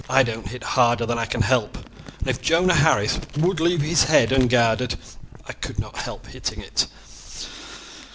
I don't hit harder than I can help, and if Jonah Harris would leave his head unguarded I could not help hitting it."